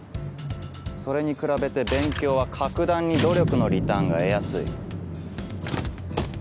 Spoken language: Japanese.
それに比べて勉強は格段に努力のリターンが得やすい。